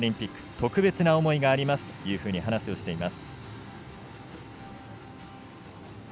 特別な思いがありますと話をしています。